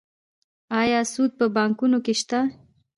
آیا سود په بانکونو کې شته؟